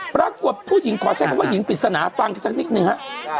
ปรากฏผู้หญิงขอใช้คำว่าหญิงปริศนาฟังสักนิดหนึ่งฮะ